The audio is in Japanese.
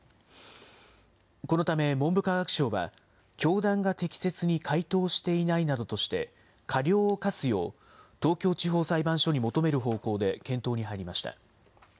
このため、文部科学省は、教団が適切に回答していないなどとして、過料を科すよう、東京地方裁判所に求める方向で検討に入りました。